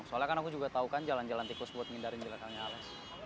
soalnya kan aku juga tau kan jalan jalan tikus buat ngindarin di belakangnya alex